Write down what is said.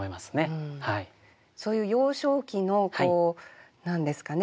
そういう幼少期の何ですかね